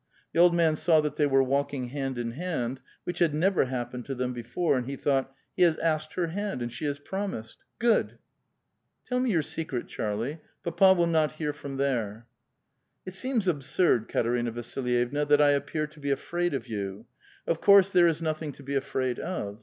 The old man saw that they were walking hand in hand, which had never happened to them before, and he thought: *'He has asked her hand, and she has promised. Good !"" Tell me your secret, Charlie ; papa will not hear from there." " It seems absurd, Katerina Vasilyevna that I appear to be afraid of vou : of course there is nothins: to be afraid of.